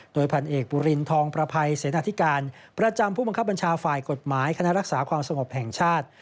โดยพันเอกบุรินทองประภัยเสนาธิการประจำผู้บังคับบัญชาฝ่ายกฎหมายคณะรักษาความสงบแห่งชาติ